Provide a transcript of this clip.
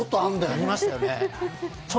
ありましたね。